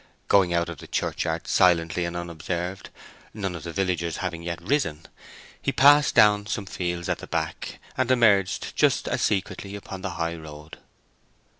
Going out of the churchyard silently and unobserved—none of the villagers having yet risen—he passed down some fields at the back, and emerged just as secretly upon the high road.